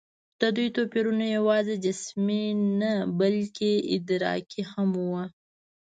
د دوی توپیرونه یواځې جسمي نه، بلکې ادراکي هم وو.